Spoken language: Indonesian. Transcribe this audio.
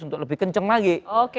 untuk lebih kenceng lagi